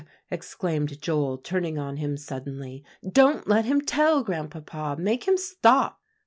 exclaimed Joel, turning on him suddenly, "don't let him tell, Grandpapa. Make him stop."